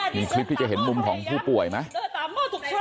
มีคลิปที่จะเห็นมุมของผู้ป่วยไหม